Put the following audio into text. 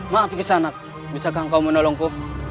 maaf kisanat bisakah engkau menolongku